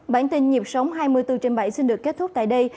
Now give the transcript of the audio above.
bản tin nhịp sống hai mươi bốn trên bảy xin được kết thúc tại đây